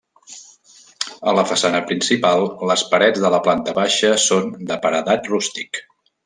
A la façana principal, les parets de la planta baixa són de paredat rústic.